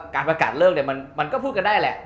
การประกาศเลิกเนี่ยมันก็พูดกันได้แหละ